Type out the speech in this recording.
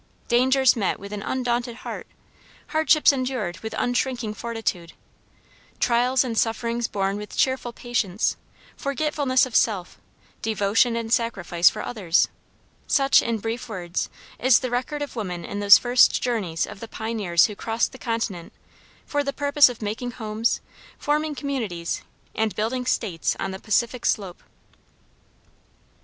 Dangers met with an undaunted heart, hardships endured with unshrinking fortitude, trials and sufferings borne with cheerful patience, forgetfulness of self, devotion and sacrifice for others: such, in brief words, is the record of woman in those first journeys of the pioneers who crossed the continent for the purpose of making homes, forming communities, and building states on the Pacific slope.